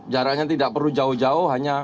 jaraknya tidak perlu jauh jauh